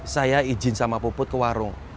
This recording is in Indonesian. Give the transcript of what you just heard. saya izin sama puput ke warung